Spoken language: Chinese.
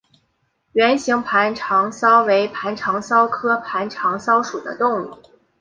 圆形盘肠蚤为盘肠蚤科盘肠蚤属的动物。